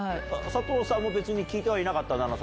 佐藤さんも、別に聞いてはいなかった？